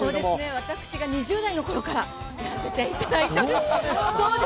私が２０代のころから、やらせていただいております。